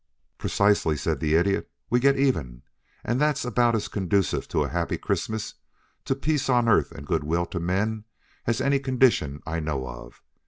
"Precisely," said the Idiot. "We get even and that's about as conducive to a happy Christmas, to Peace on Earth and Good will to men, as any condition I know of.